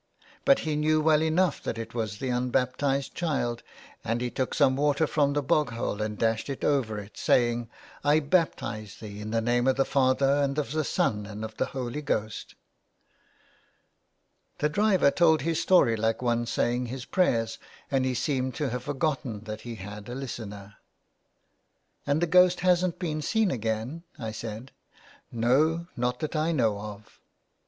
But he knew well enough that it was the un baptised child, and he took some water from the bog hole and dashed it over it, saying, ' I baptise thee in the name of the Father, and of the Son, and of the Holy Ghost' " The driver told his story like one saying his prayers, and he seemed to have forgotten that he had a listener. " And the ghost hasn't been seen again ?" I said. " No, not that I know of."